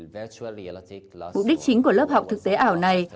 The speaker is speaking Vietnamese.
mục đích chính của lớp học thực tế ảo này